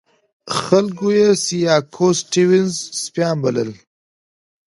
خلکو یې سیاکا سټیونز سپیان بلل.